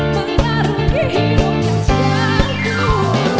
mengaruhi hidup yang jatuh